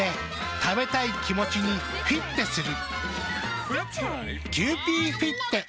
食べたい気持ちにフィッテする。